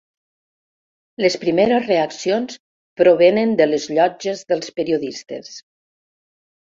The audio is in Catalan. Les primeres reaccions provenen de les llotges dels periodistes.